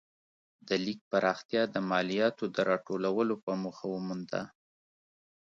د لیک پراختیا د مالیاتو د راټولولو په موخه ومونده.